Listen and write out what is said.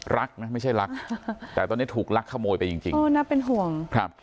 รักนะไม่ใช่รักแต่ตอนนี้ถูกลักขโมยไปจริงจริงโอ้น่าเป็นห่วงครับ